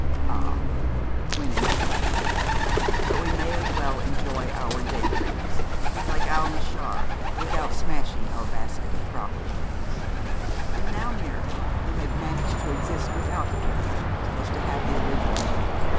'Ah, when, indeed? But we may as well enjoy our day dreams, like Alnaschar, without smashing our basket of crockery.' And now Mary, who had managed to exist without the picture, was to have the original.